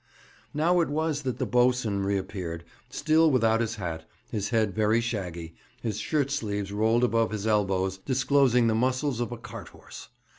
Now it was that the boatswain reappeared, still without his hat, his head very shaggy, his shirt sleeves rolled above his elbows, disclosing the muscles of a carthorse.